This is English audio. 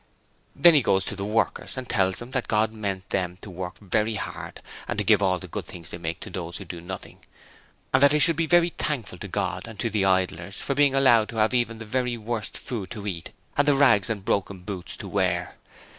Then he goes to the workers and tells them that God meant them to work very hard and to give all the good things they make to those who do nothing, and that they should be very thankful to God and to the idlers for being allowed to have even the very worst food to eat and the rags, and broken boots to wear.